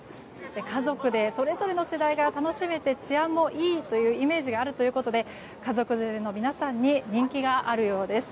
家族でそれぞれの世代が楽しめて治安もいいというイメージがあるということで家族連れの皆さんに人気があるようです。